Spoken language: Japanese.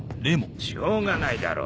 しょうがないだろ。